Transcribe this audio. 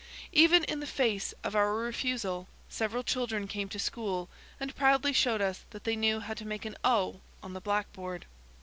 Even in the face of our refusal several children came to school and proudly showed us that they knew how to make an O on the blackboard.